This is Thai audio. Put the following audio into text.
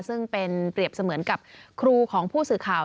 ซึ่งเป็นเปรียบเสมือนกับครูของผู้สื่อข่าว